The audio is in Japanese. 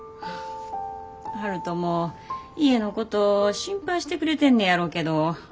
悠人も家のこと心配してくれてんねやろけど。